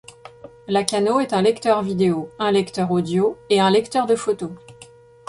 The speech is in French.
La Caanoo est un lecteur vidéo, un lecteur audio et un lecteur de photos.